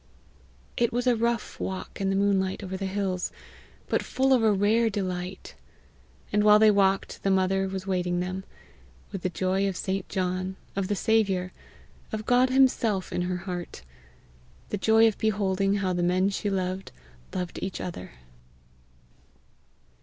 It was a rough walk in the moonlight over the hills, but full of a rare delight. And while they walked the mother was waiting them, with the joy of St. John, of the Saviour, of God himself in her heart, the joy of beholding how the men she loved loved each other.